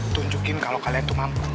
tunjukin kalau kalian tuh mampu